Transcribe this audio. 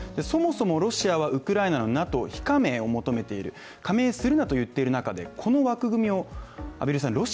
そもそもロシアはウクライナのＮＡＴＯ非加盟を求めている、加盟するなと言っている中で、畔蒜さん